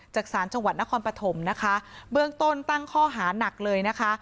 จากศาลจังหวัดนครปฐมนะคะเบื้องต้นตั้งข้อหานักเลยนะคะ